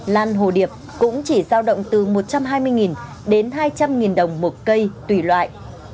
lan hồ điệp cũng chỉ giao động từ một trăm hai mươi đến hai trăm linh đồng một cây tùy loại